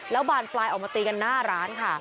แล้วบานปลายออกมาตีกันหน้าร้านค่ะ